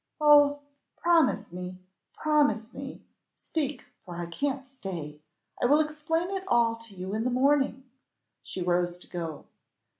"Oh, promise me, promise me, speak, for I can't stay. I will explain it all to you in the morning." She rose to go.